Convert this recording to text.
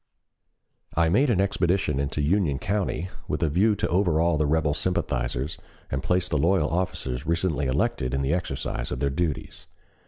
I made an expedition into Union County with a view to overawe the rebel sympathizers and place the loyal officers recently elected in the exercise of their duties.